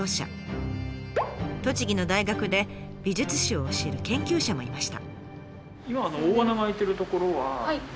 栃木の大学で美術史を教える研究者もいました。